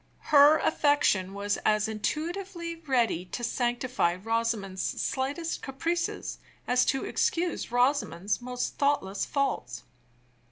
Her affection was as intuitively ready to sanctify Rosamond's slightest caprices as to excuse Rosamond's most thoughtless faults.